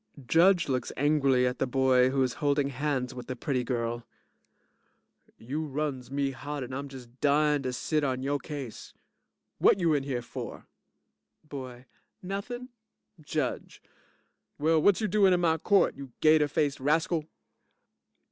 JUDGE looks angrily at the boy who is holding hands with the pretty girl) You runs me hot and I'm just dyin' to sit on yo' case. Whut you in here for? BOY Nothin'. JUDGE Well, whut you doin' in my court, you gater faced rascal?